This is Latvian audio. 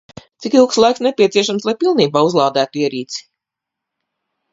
Cik ilgs laiks nepieciešams, lai pilnībā uzlādētu ierīci?